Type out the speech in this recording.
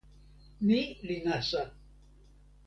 ni li nasa.